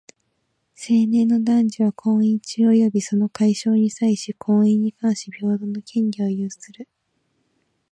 成年の男女は、婚姻中及びその解消に際し、婚姻に関し平等の権利を有する。